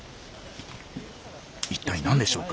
一体何でしょうか？